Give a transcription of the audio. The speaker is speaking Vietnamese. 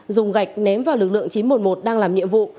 dùng gạch ném vào lực lượng chín trăm một mươi một đang làm nhiệm vụ